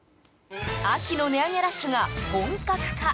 秋の値上げラッシュが本格化。